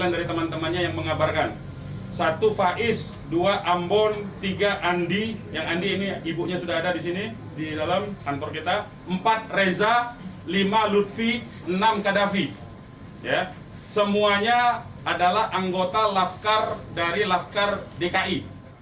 di dalam kantor kita empat reza lima lutfi enam kadhafi semuanya adalah anggota laskar dari laskar dki